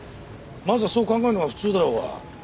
まずはそう考えるのが普通だろうが。